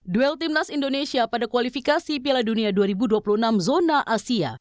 duel timnas indonesia pada kualifikasi piala dunia dua ribu dua puluh enam zona asia